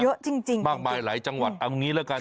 เยอะจริงจริงมากมายหลายจังหวัดเอางี้แล้วกัน